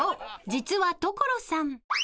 実は所さん］